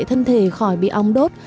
thân thể khỏi bị ong đốt